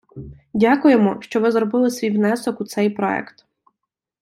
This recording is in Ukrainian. Дякуємо, що ви зробили свій внесок у цей проект.